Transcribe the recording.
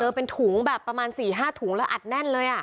เป็นถุงแบบประมาณ๔๕ถุงแล้วอัดแน่นเลย